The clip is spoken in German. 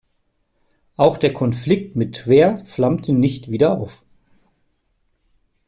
Auch der Konflikt mit Twer flammte nicht wieder auf.